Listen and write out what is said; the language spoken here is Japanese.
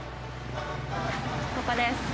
ここです。